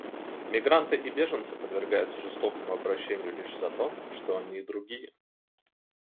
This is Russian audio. Мигранты и беженцы подвергаются жестокому обращению лишь за то, что они другие.